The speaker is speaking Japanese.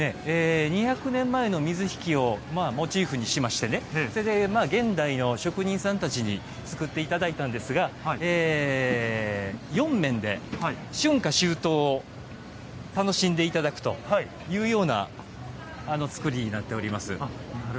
２００年前の水引をモチーフにして現代の職人さんたちに作っていただいたんですが４面で春夏秋冬を楽しんでいただくというような作りになっております。